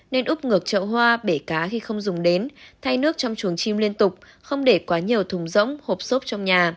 nên ướp ngược trậu hoa bể cá khi không dùng đến thay nước trong chuồng chim liên tục không để quá nhiều thùng rỗng hộp xốp trong nhà